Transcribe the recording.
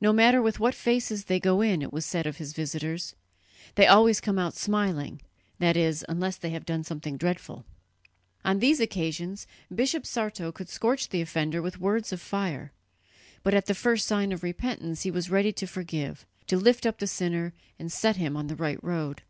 "No matter with what faces they go in," it was said of his visitors, "they always come out smiling that is, unless they have done something dreadful." On these occasions Bishop Sarto could scorch the offender with words of fire, but at the first sign of repentance he was ready to forgive, to lift up the sinner and set him on the right road.